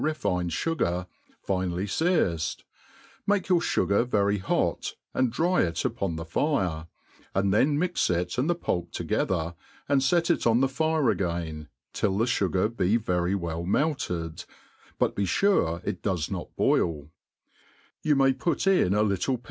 refined fugar, finely fearced ; make your fugar very hot, and dry it upon the fire, and then mix ic and the pulp together and fet it on the fire again, till the fugar be very well melted but be fure it does not boil: you may put in a little p?